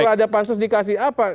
kalau ada pansus dikasih apa